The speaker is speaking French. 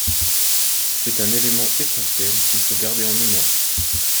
C’est un élément essentiel qu’il faut garder en mémoire.